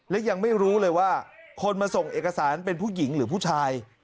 และยังไม่รู้เลยว่าคนมาส่งเอกสารเป็นผู้หญิงหรือผู้ชาย